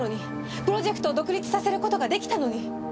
プロジェクトを独立させる事が出来たのに。